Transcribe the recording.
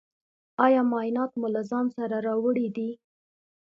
ایا معاینات مو له ځان سره راوړي دي؟